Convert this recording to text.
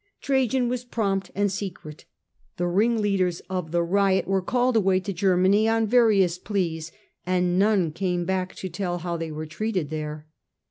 Trajan was prompt and secret. The ringleaders of the riot were called away to Germany on various pleas, and none came back to tell how they were treated there.